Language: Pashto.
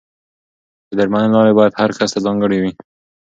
د درملنې لارې باید هر کس ته ځانګړې وي.